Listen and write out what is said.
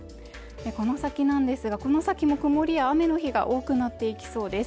この先なんですがこの先も曇りや雨の日が多くなっていきそうです